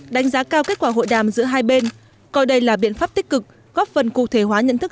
đánh giá cao kết quả hội đàm giữa hai bên coi đây là biện pháp tích cực góp phần cụ thể hóa nhận thức